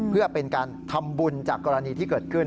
เพื่อเป็นการทำบุญจากกรณีที่เกิดขึ้น